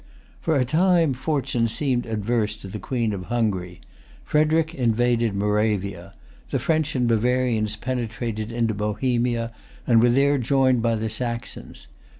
For a time fortune seemed adverse to the Queen of Hungary. Frederic invaded Moravia. The French and Bavarians penetrated into Bohemia, and were there joined by the Saxons.